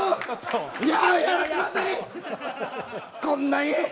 こんなに！